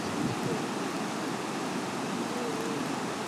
爱尔兰共有八名拳击运动员获得奥运资格。